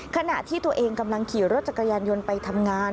ขณะที่ตัวเองกำลังขี่รถจักรยานยนต์ไปทำงาน